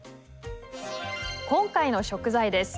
今回の食材です。